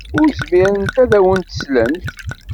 Ur zmirent ad awent-slent.